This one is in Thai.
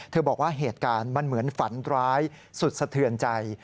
บอกว่าเหตุการณ์มันเหมือนฝันร้ายสุดสะเทือนใจ